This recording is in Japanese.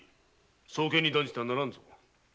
早計に断じてはならんぞ。